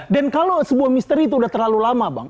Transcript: dan kalau sebuah misteri itu udah terlalu lama bang